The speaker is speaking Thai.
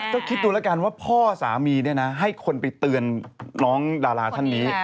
ก็คิดดูแล้วกันว่าพ่อสามีเนี่ยนะให้คนไปเตือนน้องดาราท่านนี้